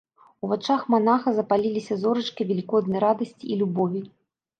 У вачах манаха запаліліся зорачкі велікоднай радасці і любові.